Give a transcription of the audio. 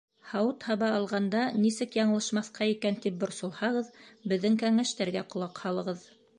Һауыт-һаба алғанда нисек яңылышмаҫҡа икән тип борсолһағыҙ, беҙҙең кәңәштәргә ҡолаҡ һалығыҙ.